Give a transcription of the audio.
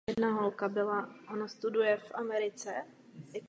Za první světové války byl používán vyhledávač raněných vojáků.